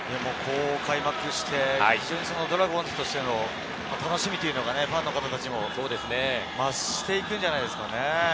開幕してドラゴンズとしての楽しみというのがファンの方たちも、増していくんじゃないですかね。